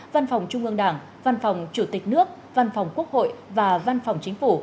văn phòng trung ương đảng văn phòng chủ tịch nước văn phòng quốc hội và văn phòng chính phủ